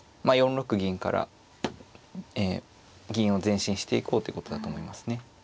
４六銀からえ銀を前進していこうということだと思いますね。